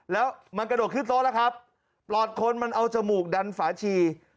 แล้วมันกระโดดขึ้นโต๊ะแล้วครับปลอดคนมันเอาจมูกดันฝาชี